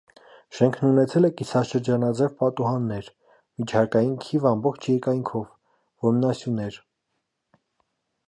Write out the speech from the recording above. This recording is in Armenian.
Շենքն ունեցել է կիսաշրջանաձև պատուհաններ, միջհարկային քիվ ամբողջ երկայնքով, որմնասյուներ։